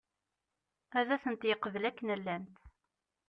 Ad tent-yeqbel akken llant.